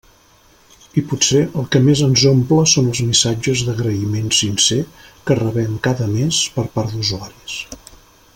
I potser el que més ens omple són els missatges d'agraïment sincer que rebem cada mes per part d'usuaris.